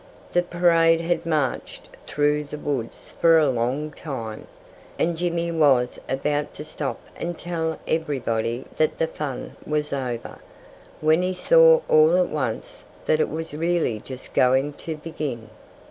The parade had marched through the woods for a long time; and Jimmy was about to stop and tell everybody that the fun was over, when he saw all at once that it was really just going to begin.